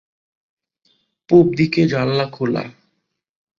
পুব দিকে জানলা খোলা।